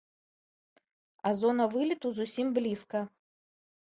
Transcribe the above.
А зона вылету зусім блізка.